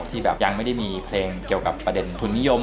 ที่แบบยังไม่ได้มีเพลงเกี่ยวกับประเด็นทุนนิยม